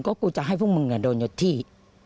ก็กูจะให้พวกมึงโดนยดที่